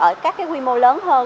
ở các cái quy mô lớn hơn